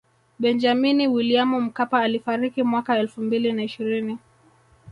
Benjamini Williamu Mkapa alifariki mwaka elfu mbili na ishirini